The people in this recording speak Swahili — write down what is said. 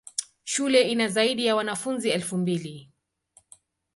Shule ina zaidi ya wanafunzi elfu mbili.